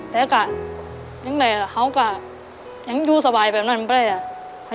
แต่ก็ยังไงล่ะเขาก็ยังอยู่สบายแบบนั้นไปเลยอ่ะ